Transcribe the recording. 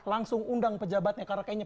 langsung undang pejabatnya karena kayaknya